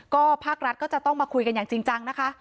ก็ภาครัฐก็จะต้องมาคุยกันอย่างจริงจังนะคะ